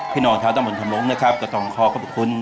พี่นอกท้าตัมบลทำลงด้อกระต่องครเคาะกบิตคุณ